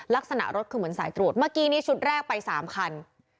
ลักษณะรถคือเหมือนสายตรวจเมื่อกี้นี้ชุดแรกไป๓คัน